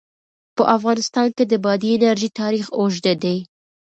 په افغانستان کې د بادي انرژي تاریخ اوږد دی.